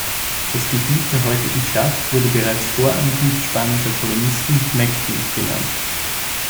Das Gebiet der heutigen Stadt wurde bereits vor Ankunft spanischer Kolonisten "Mactan" genannt.